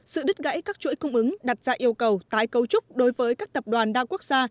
sự đứt gãy các chuỗi cung ứng đặt ra yêu cầu tái cấu trúc đối với các tập đoàn đa quốc gia